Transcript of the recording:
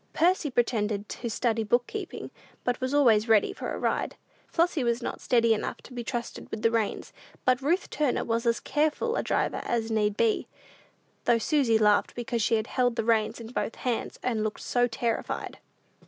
Percy pretended to study book keeping, but was always ready for a ride. Flossy was not steady enough to be trusted with the reins, but Ruth Turner was as careful a driver as need be; though Susy laughed because she held the reins in both hands, and looked so terrified.